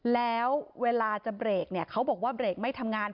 แล้วเวลาจะเบรกเนี่ยเขาบอกว่าเบรกไม่ทำงาน